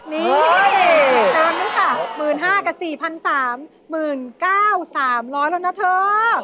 นี่ตามนั้นค่ะ๑๕๐๐๐กับ๔๓๐๐บาท๑๙๓๐๐บาทแล้วนะเถอะ